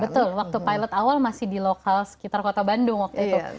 betul waktu pilot awal masih di lokal sekitar kota bandung waktu itu